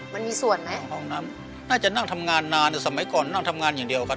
มันมีส่วนไหมห้องน้ำน่าจะนั่งทำงานนานสมัยก่อนนั่งทำงานอย่างเดียวครับ